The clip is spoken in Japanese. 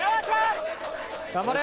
頑張れ！